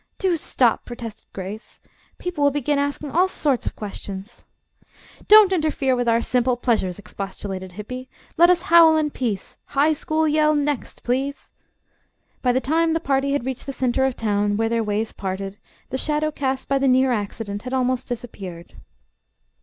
"Do stop," protested Grace. "People will begin asking all sorts of questions." "Don't interfere with our simple pleasures," expostulated Hippy. "Let us howl in peace. High School yell next, please." By the time the party had reached the center of the town where their ways parted, the shadow cast by the near accident had almost disappeared.